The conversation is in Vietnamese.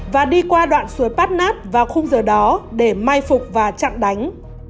và đi qua đoạn suối pát nát vào khung giờ đó để mai phục và chặn đánh